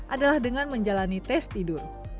adalah dengan menjalani tes tidur